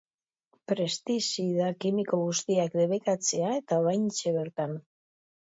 Pestizida kimiko guztiak debekatzea eta oraintxe bertan.